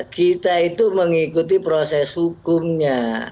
kita itu mengikuti proses hukumnya